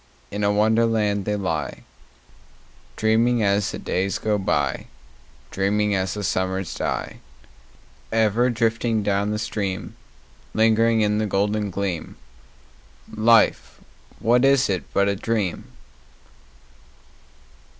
In a Wonderland they lie, Dreaming as the days go by, Dreaming as the summers die: Ever drifting down the stream— Lingering in the golden gleam— Life, what is it but a dream?